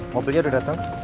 mobilnya udah dateng